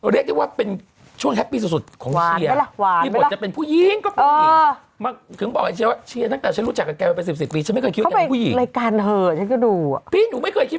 ลิ้งนิดนิดนึงบุคดำมีอะไรมั้ย